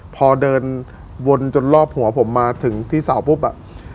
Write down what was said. พอเดินวนจนรอบหัวผมมาถึงที่เสาปุ๊บอ่ะ